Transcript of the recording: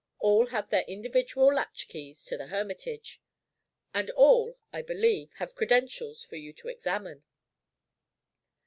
All have their individual latch keys to the hermitage. And all, I believe, have credentials for you to examine."